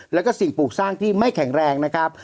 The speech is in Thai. แล้วก็สิ่งปลูกสร้างที่ไม่แข็งแรงนะครับ